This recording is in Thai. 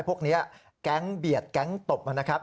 พวกนี้แก๊งเบียดแก๊งตบนะครับ